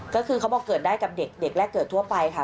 ก็คือเขาบอกเกิดได้กับเด็กแรกเกิดทั่วไปค่ะ